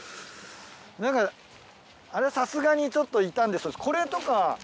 何かあれはさすがにちょっと傷んでそうです。